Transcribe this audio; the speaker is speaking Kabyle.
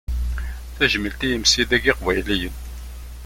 Tajmilt i yimsidag iqbayliyen.